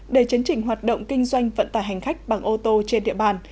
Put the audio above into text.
để chấn chỉnh hoạt động kinh doanh vận tải hành khách bằng ô tô trên địa bàn